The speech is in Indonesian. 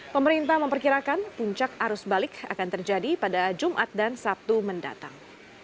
pemerintah memperkirakan puncak arus balik akan terjadi pada jumat dan sabtu mendatang